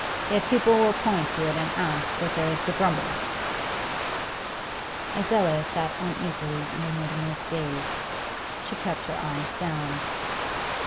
Yet people will point to it and ask what there is to grumble at!' Adela sat uneasily under Mutimer's gaze; she kept her eyes down.